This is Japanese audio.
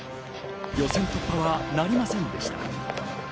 予選突破はなりませんでした。